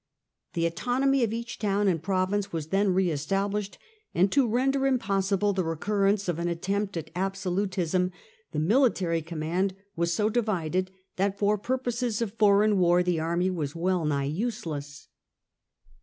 The autonomy of each town and pro vince was then re established, and, to render impossible the recurrence of an attempt at absolutism, the military command was so divided that for purposes of foreign war the army was well nigh useless.